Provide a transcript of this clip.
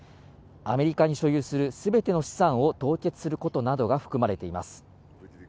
アメリカに所有するすべての資産を凍結することなどが含まれています。